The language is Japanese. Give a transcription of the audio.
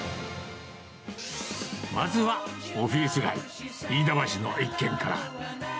まずはオフィス街、飯田橋の一軒から。